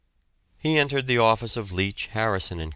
He entered the office of Leech, Harrison and Co.